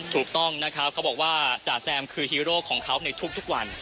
ถูกต้องนะครับเขาบอกว่าจ่าแซมคือฮีโร่ของเขาในทุกวัน